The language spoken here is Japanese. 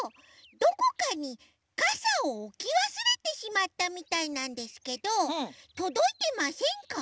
どこかにかさをおきわすれてしまったみたいなんですけどとどいてませんか？